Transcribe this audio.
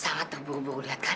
sangat terburu buru lihat kan